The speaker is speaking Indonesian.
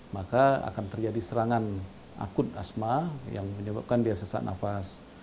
maka akan terjadi serangan akut asma yang menyebabkan dia sesak nafas